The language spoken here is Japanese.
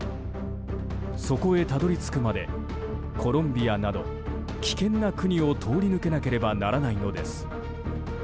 そこへたどり着くまでコロンビアなど危険な国を通り抜けなければならないのです。